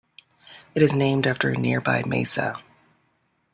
It is named after a nearby mesa.